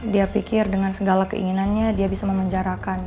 dia pikir dengan segala keinginannya dia bisa memenjarakan